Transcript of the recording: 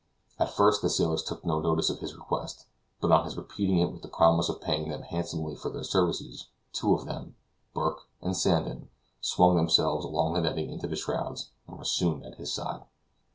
At first the sailors took no notice of his request, but on his repeating it with the promise of paying them handsomely for their services, two of them, Burke and Sandon, swung themselves along the netting into the shrouds, and were soon at his side.